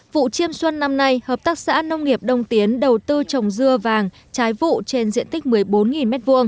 vụ chiêm xuân năm nay hợp tác xã nông nghiệp đông tiến đầu tư trồng dưa vàng trái vụ trên diện tích một mươi bốn m hai